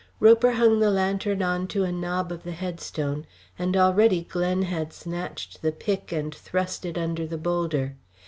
Roper hung the lantern on to a knob of the headstone; and already Glen had snatched the pick and thrust it under the boulder.